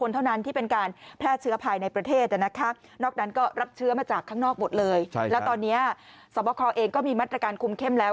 ตอนนี้สรรพครองเองก็มีมัตรการคุมเข้มแล้ว